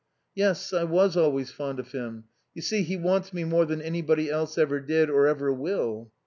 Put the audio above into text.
"Yes. I was always fond of him.... You see, he wants me more than anybody else ever did or ever will."